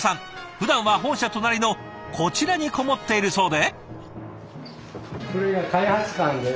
ふだんは本社隣のこちらにこもっているそうで。